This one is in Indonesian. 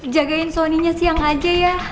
jagain sony nya siang aja ya